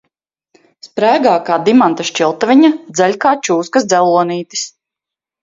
Sprēgā kā dimanta šķiltaviņa, dzeļ kā čūskas dzelonītis.